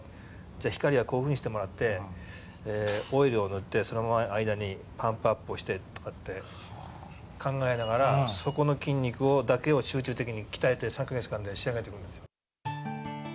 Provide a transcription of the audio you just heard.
じゃあ、光はこういうふうにしてもらって、オイルを塗って、その間にパンプアップをしてとかって考えながら、そこの筋肉だけを集中的に鍛えて、３か月間で仕上げていくんですよ。